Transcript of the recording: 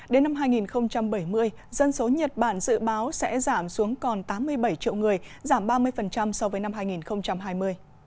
đến năm hai nghìn bảy mươi dân số nhật bản dự báo sẽ giảm xuống còn tám mươi bảy triệu người giảm ba mươi so với năm hai nghìn hai mươi